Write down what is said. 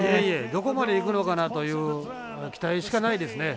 どこまでいくのかなという期待しかないですね。